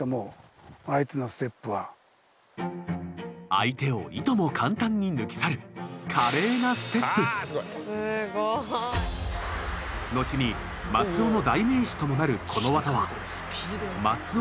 相手をいとも簡単に抜き去るすごい。後に松尾の代名詞ともなるこの技は松尾ならではのものだという。